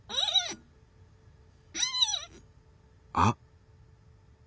あっ！